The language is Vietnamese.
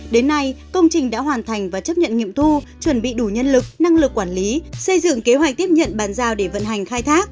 đến nay công trình đã hoàn thành và chấp nhận nghiệm thu chuẩn bị đủ nhân lực năng lực quản lý xây dựng kế hoạch tiếp nhận bàn giao để vận hành khai thác